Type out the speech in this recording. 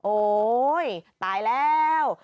โอ๊ยตายแล้ว